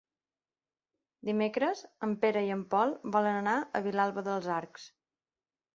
Dimecres en Pere i en Pol volen anar a Vilalba dels Arcs.